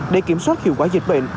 để kiểm soát hiệu quả dịch bệnh